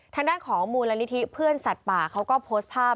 ทางด้านของมูลนิธิเพื่อนสัตว์ป่าเขาก็โพสต์ภาพ